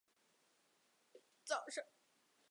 早上六点半才起床